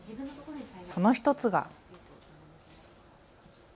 その１つが。